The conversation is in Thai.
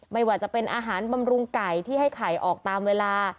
ไม่ว่าจะเป็นอาหารบำรุงไก่ที่ให้ไข่ออกตามเวลา